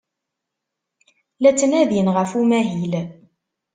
La ttnadin ɣef umahil.